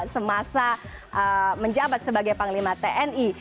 semasa menjabat sebagai panglima tni